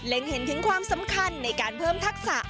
เห็นถึงความสำคัญในการเพิ่มทักษะ